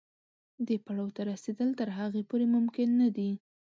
دې پړاو ته رسېدل تر هغې پورې ممکن نه دي.